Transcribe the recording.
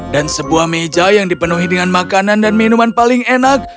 dan sebuah meja yang dipenuhi dengan makanan dan minuman paling enak